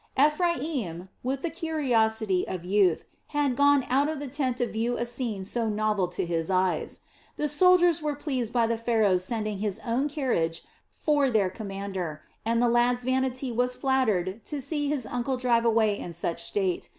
Ephraim, with the curiosity of youth, had gone out of the tent to view a scene so novel to his eyes. The soldiers were pleased by the Pharaoh's sending his own carriage for their commander, and the lad's vanity was flattered to see his uncle drive away in such state.